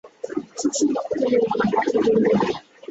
শশী মুখ তুলিল না, কথা বলিল না।